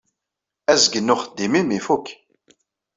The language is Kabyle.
Azgen n uxeddim-im ifukk.